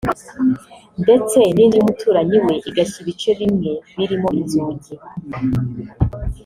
ndetse n’inzu y’umuturanyi we igashya ibice bimwe birimo inzugi